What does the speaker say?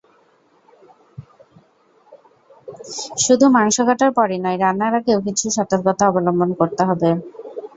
শুধু মাংস কাটার পরই নয়, রান্নার আগেও কিছু সর্তকতা অবলম্বন করতে হবে।